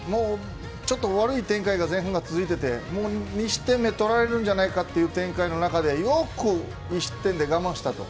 ちょっと悪い展開が前半が続いていて２失点目取られるじゃないかという展開の中でよく２失点で我慢したと。